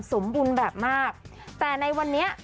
สมบูรณ์แบบมากแต่ในวันนี้